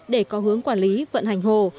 để có hướng quản lý vận hành hồ